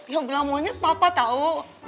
ya belah monyet papa tau